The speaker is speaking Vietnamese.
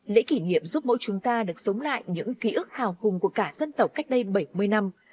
lễ kỷ niệm giúp mỗi chúng ta được sống lại những ký ức hào hùng của cả dân tộc cách đây bảy mươi năm